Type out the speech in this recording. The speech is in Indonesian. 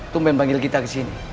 tumpen panggil kita ke sini